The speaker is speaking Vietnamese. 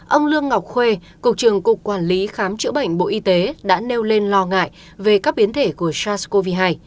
ông lương ngọc khuê cục trưởng cục quản lý khám chữa bệnh bộ y tế đã nêu lên lo ngại về các biến thể của sars cov hai